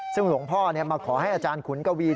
ซึ่งหลวงพ่อมาขอให้อาจารย์ขุนกวี